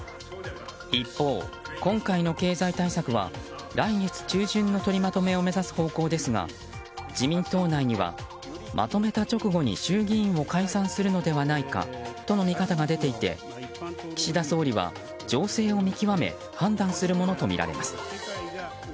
一方、今回の経済対策は来月中旬の取りまとめを目指す方向ですが自民党内にはまとめた直後に衆議院を解散するのではないかとの見方が出ていて岸田総理は情勢を見極め判断するものとみられます。